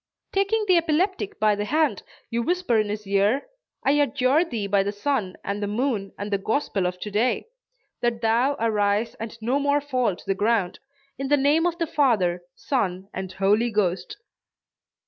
Taking the epileptic by the hand, you whisper in his ear "I adjure thee by the sun and the moon and the gospel of to day, that thou arise and no more fall to the ground; in the name of the Father, Son and Holy Ghost."